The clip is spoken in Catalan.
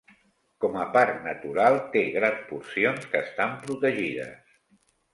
Com a parc natural té grans porcions que estan protegides.